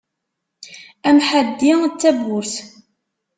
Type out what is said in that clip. Amḥaddi d tabburt.